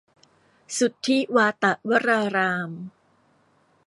สุทธิวาตวราราม